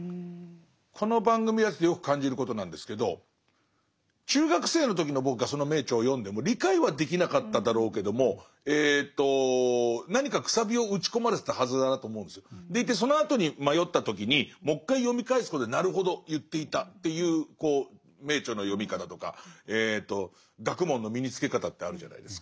この番組やっててよく感じることなんですけど中学生の時の僕がその名著を読んでも理解はできなかっただろうけどもでいてそのあとに迷った時にもう一回読み返すことでなるほど言っていたっていう名著の読み方とか学問の身につけ方ってあるじゃないですか。